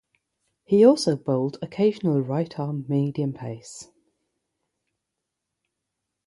He also bowled occasional right-arm medium pace.